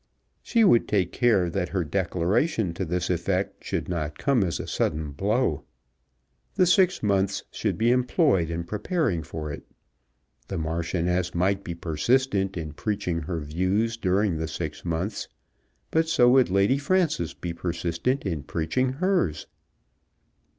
She would take care that her declaration to this effect should not come as a sudden blow. The six months should be employed in preparing for it. The Marchioness might be persistent in preaching her views during the six months, but so would Lady Frances be persistent in preaching hers.